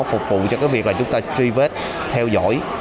phục vụ cho cái việc là chúng ta truy vết theo dõi